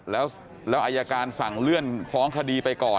แล้วอายการสั่งเลื่อนฟ้องคดีไปก่อน